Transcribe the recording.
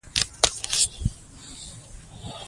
پوهېدل د ټولنیزې دندو او حقونو په اړه پوهه ورکوي.